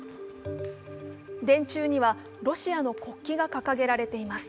電柱にはロシアの国旗が掲げられています。